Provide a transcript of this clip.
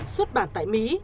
xuất bản tại mỹ